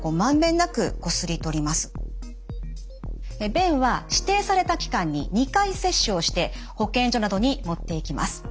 便は指定された期間に２回採取をして保健所などに持っていきます。